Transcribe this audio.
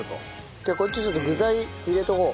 じゃあこっちちょっと具材入れておこう。